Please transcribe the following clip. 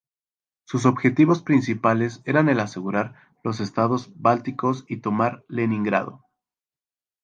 Sus objetivos principales eran el asegurar los estados bálticos y tomar Leningrado.